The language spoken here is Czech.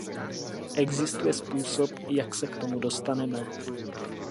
Existuje způsob, jak se k tomu dostaneme.